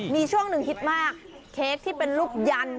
มีช่วงหนึ่งฮิตมากเค้กที่เป็นลูกยัน